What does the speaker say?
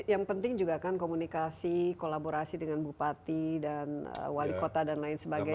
yang penting juga kan komunikasi kolaborasi dengan bupati dan wali kota dan lain sebagainya